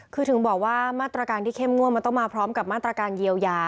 คือถึงบอกว่ามาตรการที่เข้มงวดมันต้องมาพร้อมกับมาตรการเยียวยา